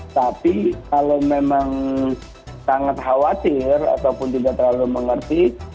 tapi kalau memang sangat khawatir ataupun tidak terlalu mengerti